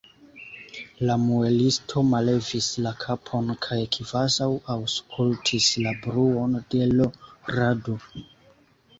La muelisto mallevis la kapon kaj kvazaŭ aŭskultis la bruon de l' rado.